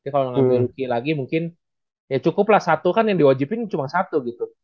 kalau mengambil lagi mungkin ya cukuplah satu kan yang diwajibin cuma satu gitu